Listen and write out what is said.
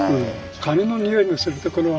金のにおいのするところは。